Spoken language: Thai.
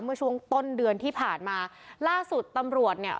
เมื่อช่วงต้นเดือนที่ผ่านมาล่าสุดตำรวจเนี่ย